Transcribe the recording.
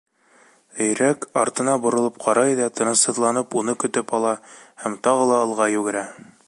Өйрәк артына боролоп ҡарай ҙа тынысһыҙланып уны көтөп ала һәм тағы алға йүгерә.